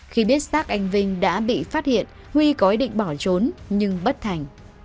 khi biết xác anh vinh đã bị phát hiện huy có ý định bỏ trốn nhưng bất thành